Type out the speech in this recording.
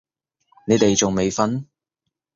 你哋仲未瞓？